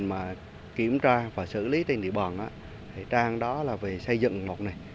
trang mà kiểm tra và xử lý trên địa bàn trang đó là về xây dựng ngọt này